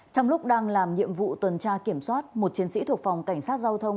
trong lúc đang làm nhiệm vụ tuần tra kiểm soát một chiến sĩ thuộc phòng cảnh sát giao thông